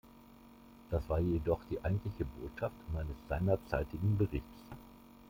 Das war jedoch die eigentliche Botschaft meines seinerzeitigen Berichts.